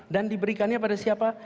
dan diberikannya pada siapa